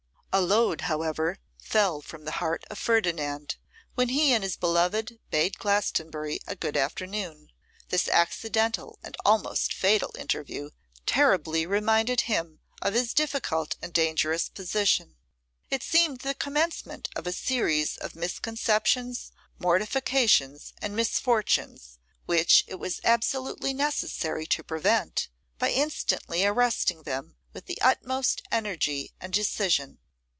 A load, however, fell from the heart of Ferdinand, when he and his beloved bade Glastonbury a good afternoon. This accidental and almost fatal interview terribly reminded him of his difficult and dangerous position; it seemed the commencement of a series of misconceptions, mortifications, and misfortunes, which it was absolutely necessary to prevent by instantly arresting them with the utmost energy and decision.